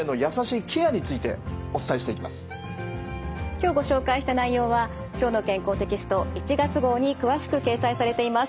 今日ご紹介した内容は「きょうの健康」テキスト１月号に詳しく掲載されています。